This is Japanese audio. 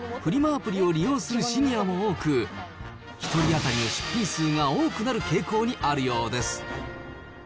アプリを利用するシニアも多く、１人当たりの出品数が多くなる傾向にあるようです。